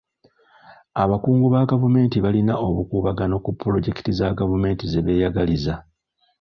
Abakungu ba gavumenti balina obukuubagano ku puloojekiti za gavumenti ze beeyagaliza.